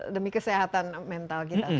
demi kesehatan mental kita